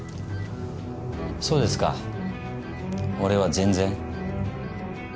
そうですか俺は全然。